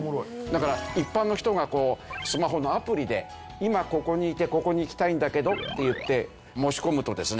だから一般の人がこうスマホのアプリで今ここにいてここに行きたいんだけどっていって申し込むとですね